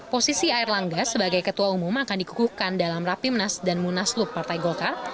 posisi air langga sebagai ketua umum akan dikukuhkan dalam rapimnas dan munaslup partai golkar